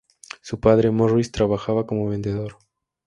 Su padre, Morris, trabajaba como vendedor.